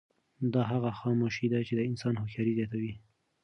دا هغه خاموشي ده چې د انسان هوښیاري زیاتوي.